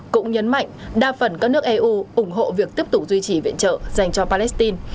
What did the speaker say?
cũng nhấn mạnh đa phần các nước eu ủng hộ việc tiếp tục duy trì viện trợ dành cho palestine